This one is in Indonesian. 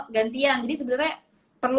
ganti yang jadi sebenernya perlu